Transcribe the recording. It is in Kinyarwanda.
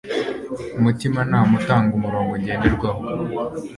umutimanama utange umurongo ngenderwaho